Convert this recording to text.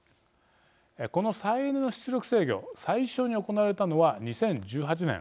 この再エネの出力制御最初に行われたのは２０１８年。